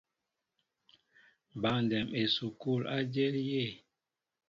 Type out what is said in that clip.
Băndɛm esukul a jȇl yé?